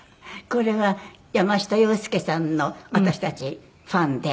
これは山下洋輔さんの私たちファンで。